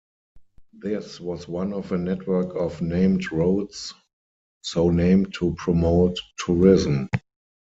This was one of a network of named roads, so named to promote tourism.